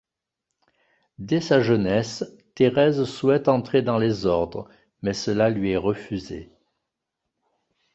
Dès sa jeunesse, Thérèse souhaite entrer dans les ordres mais cela lui est refusé.